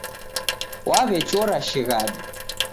Waw'echora shighadi